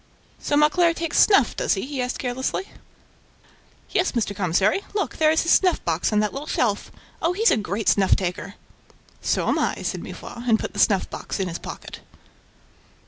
"So Mauclair takes snuff, does he?" he asked carelessly. "'Yes, Mr. Commissary ... Look, there is his snuff box on that little shelf ... Oh! he's a great snuff taker!" "So am I," said Mifroid and put the snuff box in his pocket.